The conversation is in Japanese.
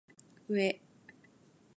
うぇ